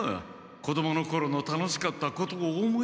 子どものころの楽しかったことを思い出す。